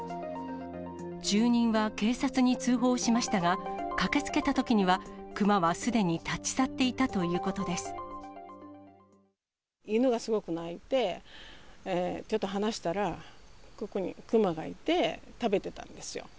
住人は警察に通報しましたが、駆けつけたときには、クマはすで犬がすごく鳴いて、ちょっと放したら、ここにクマがいて、食べてたんですよ。